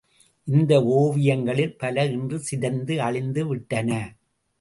இந்த ஓவியங்களில் பல இன்று சிதைந்து அழிந்து விட்டன.